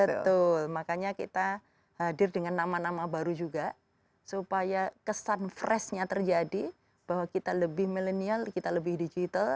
betul makanya kita hadir dengan nama nama baru juga supaya kesan freshnya terjadi bahwa kita lebih milenial kita lebih digital